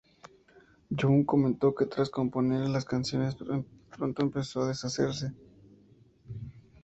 Young comentó que, tras componer las canciones, pronto empezó "a deshacerse".